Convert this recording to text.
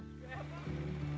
ya udah selesai